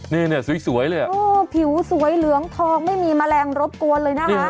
นี่สวยเลยอะพิวสวยเหลืองทองไม่มีแมลงรบกลเลยนะฮะ